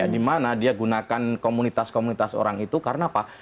di mana dia menggunakan komunitas komunitas orang itu karena apa